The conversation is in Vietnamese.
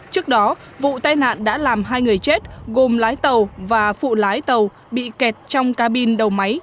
trước đó vụ tai nạn đã làm hai người chết gồm lái tàu và phụ lái tàu bị kẹt trong cabin đầu máy